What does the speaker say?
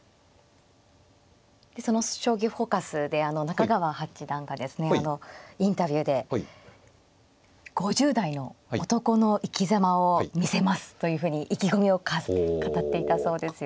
でその「将棋フォーカス」で中川八段がですねインタビューで「５０代の男の生きざまを見せます」というふうに意気込みを語っていたそうですよ。